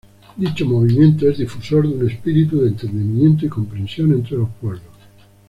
Dicho movimiento es difusor de un espíritu de entendimiento y comprensión entre los pueblos.